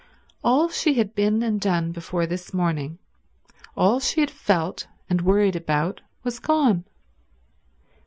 All she had been and done before this morning, all she had felt and worried about, was gone.